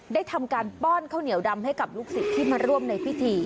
ได้ทำการป้อนข้าวเหนียวดำให้กับลูกศิษย์ที่มาร่วมในพิธี